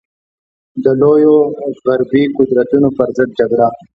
د لویو غربي قدرتونو پر ضد جګړه.